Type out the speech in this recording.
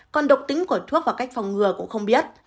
còn độc tính của thuốc và cách phòng ngừa cũng không biết